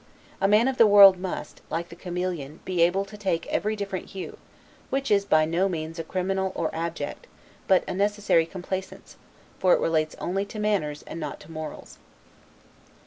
A man of the world must, like the chameleon, be able to take every different hue; which is by no means a criminal or abject, but a necessary complaisance; for it relates only to manners and not to morals.